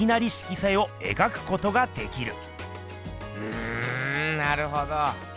うんなるほど。